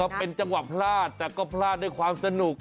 เป็นจังหวะพลาดแต่ก็พลาดด้วยความสนุก